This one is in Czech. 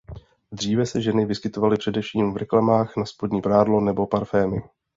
Dříve se ženy vyskytovaly především v reklamách na spodní prádlo nebo parfémy.